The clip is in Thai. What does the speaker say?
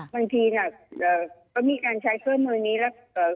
บางทีก็มีการใช้เครื่องมือนี้แล้ว